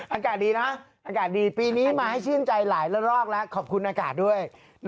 อากาศดีนะอากาศดีปีนี้มาให้ชื่นใจหลายละรอกแล้วขอบคุณอากาศด้วย